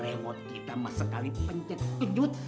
remote kita mas sekali pencet kejut